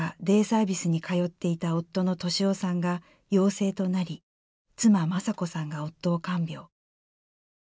デイサービスに通っていた夫の敏夫さんが陽性となり妻雅子さんが夫を看病。